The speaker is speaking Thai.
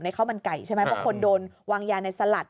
ข้าวมันไก่ใช่ไหมบางคนโดนวางยาในสลัด